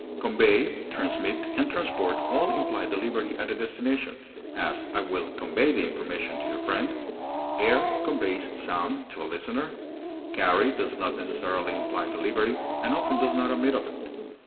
Convey, transmit, and transport all imply delivery at a destination; as, I will convey the information to your friend; air conveys sound (to a listener); carry does not necessarily imply delivery, and often does not admit of it.